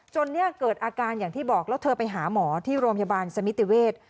เนี่ยเกิดอาการอย่างที่บอกแล้วเธอไปหาหมอที่โรงพยาบาลสมิติเวศ